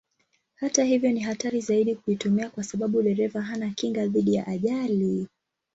Hata hivyo ni hatari zaidi kuitumia kwa sababu dereva hana kinga dhidi ya ajali.